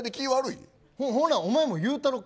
ほな、お前も言うたろか？